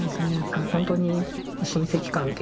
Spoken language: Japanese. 本当に親戚関係